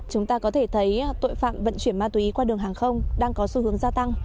chúng ta có thể thấy tội phạm vận chuyển ma túy qua đường hàng không đang có xu hướng gia tăng